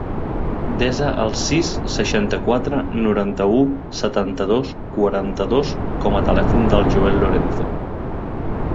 Desa el sis, seixanta-quatre, noranta-u, setanta-dos, quaranta-dos com a telèfon del Joel Lorenzo.